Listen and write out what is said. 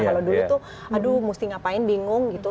kalau dulu tuh aduh mesti ngapain bingung gitu